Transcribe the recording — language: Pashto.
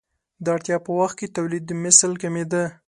د اړتیا په وخت کې تولیدمثل کمېده.